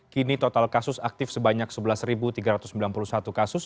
kini total kasus aktif sebanyak sebelas tiga ratus sembilan puluh satu kasus